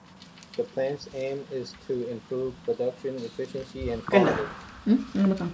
The plan's aim is to improve production efficiency and quality.